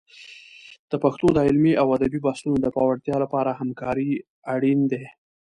د پښتو د علمي او ادبي بحثونو د پیاوړتیا لپاره همکارۍ اړین دي.